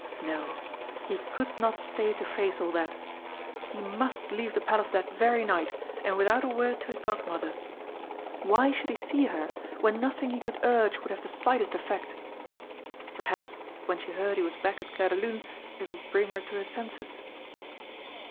No, he could not stay to face all that he must leave the Palace that very night, and without a word to his Godmother. Why should he see her when nothing he could urge would have the slightest effect? Perhaps, when she heard he was back at Clairdelune, it would bring her to her senses.